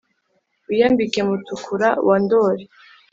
wiyambike mutukura wa ndoli,